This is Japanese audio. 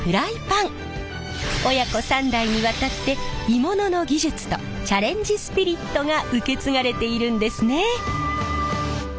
親子３代にわたって鋳物の技術とチャレンジスピリットが受け継がれているんですね！